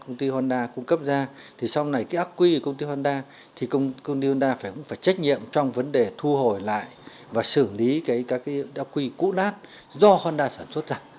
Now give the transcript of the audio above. công ty honda cung cấp ra thì sau này cái ác quy của công ty honda thì công ty honda cũng phải trách nhiệm trong vấn đề thu hồi lại và xử lý cái ác quy cũ đát do honda sản xuất ra